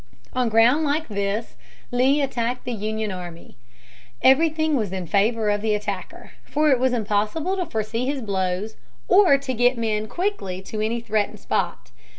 On ground like this Lee attacked the Union army. Everything was in favor of the attacker, for it was impossible to foresee his blows, or to get men quickly to any threatened spot.